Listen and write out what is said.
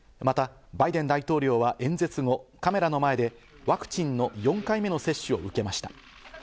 またバイデン大統領は演説後、カメラの前でワクチンの４回目の接種を受けました。